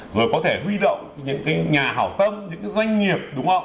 rồi có thể huy động những cái nhà hảo tâm những cái doanh nghiệp đúng không